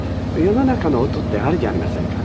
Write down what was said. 世の中の音ってあるじゃありませんか